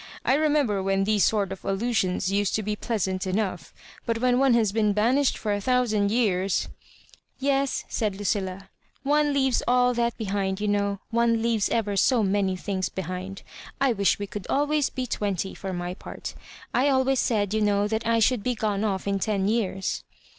I remember when these sort of allusions used to be pleasant enough; but when one has been banished for a thousand years " "Yes," said Lucilla, "one leaves all that be hind, you know^ one leaves ever so many things behind. I wish we could always be twenty, for my part I always said, you know, that I should be gone off in ten years."